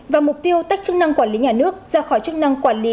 và mục tiêu tách chức năng quản lý nhà nước ra khỏi chức năng quản lý